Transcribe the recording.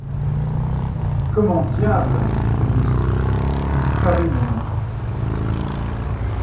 Comment diable ! dit Phœbus, vous savez mon nom !